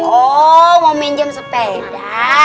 oh mau minjem sepeda